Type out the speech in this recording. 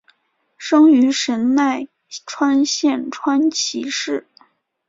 生于神奈川县川崎市。